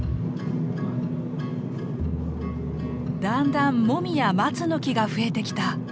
だんだんモミやマツの木が増えてきた。